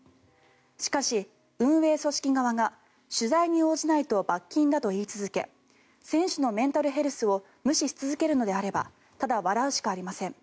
しかし、運営組織側が取材に応じないと罰金だと言い続け選手のメンタルヘルスを無視し続けるのであればただ笑うしかありません。